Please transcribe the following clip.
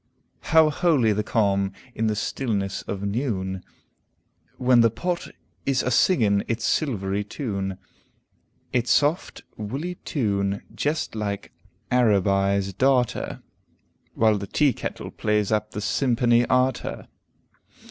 "How holy the calm, in the stillness of neune, When the pot is a singin its silvery teune, Its soft, woolly teune, jest like Aribi's Darter, While the tea kettle plays up the simperny arter.